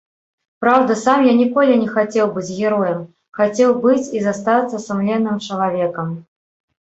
Праўда, сам я ніколі не хацеў быць героем, хацеў быць і застацца сумленным чалавекам.